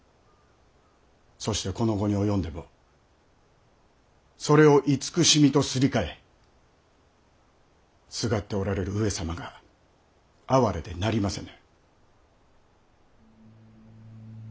そしてこの期に及んでもそれを慈しみとすり替えすがっておられる上様が哀れでなりませぬ。